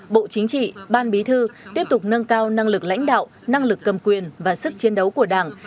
bộ chính trị ban bí thư tiếp tục nâng cao năng lực lãnh đạo năng lực cầm quyền và sức chiến đấu của đảng